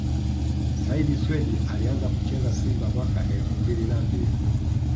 Said Swedi Alianza kucheza Simba mwaka elfu mbili na mbili